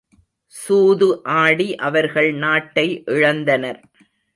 சூது ஆடி அவர்கள் நாட்டை இழந்தனர்.